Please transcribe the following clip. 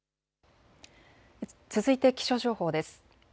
続いて気象情報です。